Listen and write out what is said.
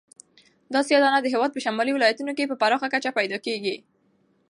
دا سیاه دانه د هېواد په شمالي ولایتونو کې په پراخه کچه پیدا کیږي.